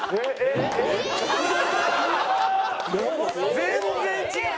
全然違う！